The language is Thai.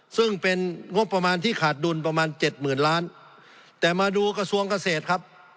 ซึ่งเป็นงบประมาณที่ขาดดุลประมาณเจ็ดหมื่นล้านแต่มาดูกระทรวงเกษตรครับ